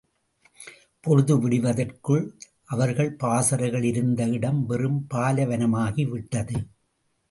பொழுது விடிவதற்குள் அவர்கள் பாசறைகள் இருந்த இடம் வெறும் பாலைவனமாகி விட்டது.